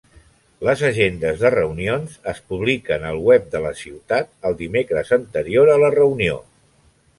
Les agendes de reunions es publiquen al web de la ciutat el dimecres anterior a la reunió.